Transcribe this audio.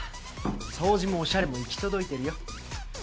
掃除もおしゃれも行き届いてるよ。